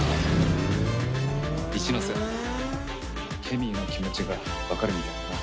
一ノ瀬ケミーの気持ちがわかるみたいだな。